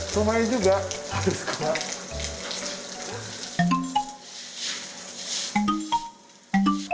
semuanya juga harus kuat